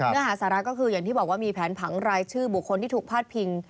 เนื้อหาสาระก็คืออย่างที่บอกว่ามีแผนผังรายชื่อบุคคลที่ถูกพาดพิง